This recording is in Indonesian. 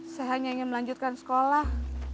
saya hanya ingin melanjutkan sekolah